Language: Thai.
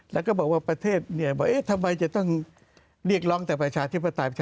แล้วก็บอกว่าประเทศบอกเอ๊ะทำไมจะต้องเรียกร้องแต่ประชาธิปไตย